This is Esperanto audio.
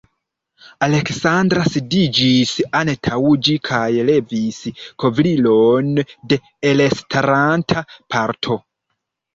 Aleksandra sidiĝis antaŭ ĝi kaj levis kovrilon de elstaranta parto.